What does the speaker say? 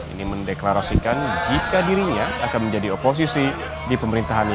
ini mendeklarasikan jika dirinya akan menjadi oposisi di pemerintahannya